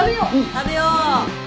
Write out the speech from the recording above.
食べよう。